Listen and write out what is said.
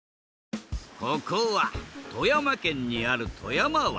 ここは富山県にある富山湾。